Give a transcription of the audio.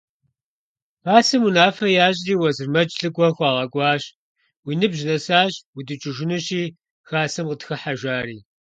Хасэм унафэ ящӏри, Уэзырмэдж лӏыкӏуэ хуагъэкӏуащ: – Уи ныбжь нэсащ, удукӏыжынущи, хасэм къытхыхьэ, – жари.